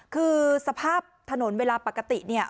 คือสภาพถนนเวลาปกติเนี่ย